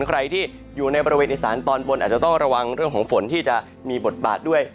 ใครที่อยู่ในบริเวณอีสานตอนบนอาจจะต้องระวังเรื่องของฝนที่จะมีบทบาทด้วย